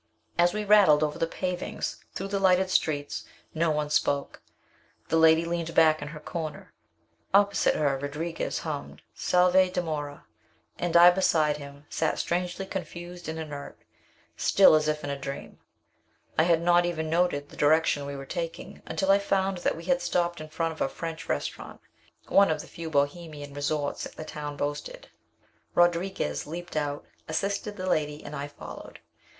As we rattled over the pavings, through the lighted streets, no one spoke. The lady leaned back in her corner. Opposite her Rodriguez hummed "Salve! dimora" and I beside him, sat strangely confused and inert, still as if in a dream. I had not even noted the direction we were taking, until I found that we had stopped in front of a French restaurant, one of the few Bohemian resorts the town boasted. Rodriguez leaped out, assisted the lady, and I followed.